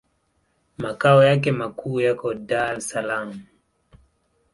Makao yake makuu yako Dar es Salaam.